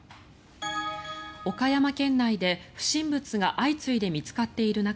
岡山県内で不審物が相次いで見つかっている中